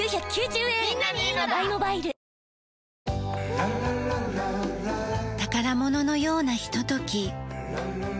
わかるぞ宝物のようなひととき。